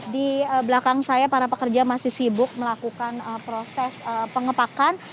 di belakang saya para pekerja masih sibuk melakukan proses pengepakan